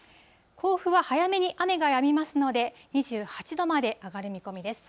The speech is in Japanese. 甲府は早めに雨がやみますので、２８度まで上がる見込みです。